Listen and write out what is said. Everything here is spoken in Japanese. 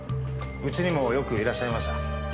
うちにもよくいらっしゃいました。